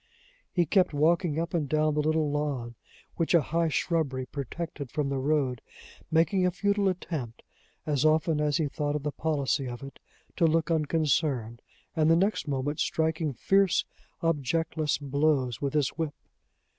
He kept walking up and down the little lawn, which a high shrubbery protected from the road, making a futile attempt, as often as he thought of the policy of it, to look unconcerned, and the next moment striking fierce, objectless blows with his whip.